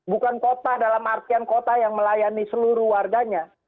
bukan kota dalam artian kota yang melayani seluruh warganya